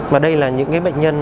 và đây là những bệnh nhân